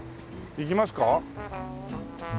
行きますか？